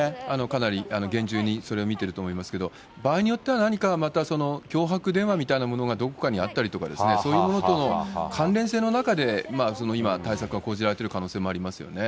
かなり厳重にそれを見てると思いますけども、場合によっては何かまた、脅迫電話みたいなものがどこかにあったりですとか、そういうものとの関連性の中で、今、対策が講じられてる可能性がありますよね。